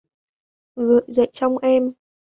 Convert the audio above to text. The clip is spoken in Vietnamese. Gợi dậy trong em